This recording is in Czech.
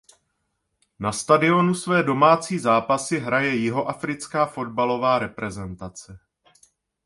Na stadionu své domácí zápasy hraje Jihoafrická fotbalová reprezentace.